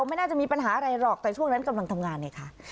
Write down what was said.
ไม่น่าจะมีปัญหาอะไรหรอกแต่ช่วงนั้นกำลังทำงานไงคะ